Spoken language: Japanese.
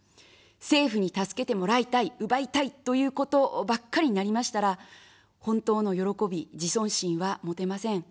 政府に助けてもらいたい、奪いたいということをばっかりになりましたら、本当の喜び、自尊心は持てません。